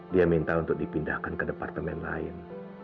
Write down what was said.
dia minta untuk dipindahkan ke departemen lain